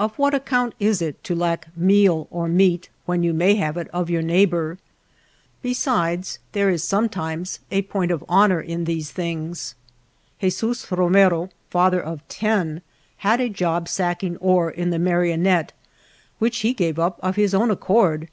Of what account is it to lack meal or meat when you may have it of any neigh 269 THE LITTLE TOWN OF THE GRAPE VINES bor? Besides, there is sometimes a point of honor in these things. Jesus Romero, father of ten, had a job sacking ore in the Marionette which he gave up of his own accord.